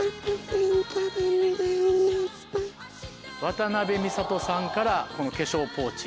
渡辺美里さんからこの化粧ポーチ。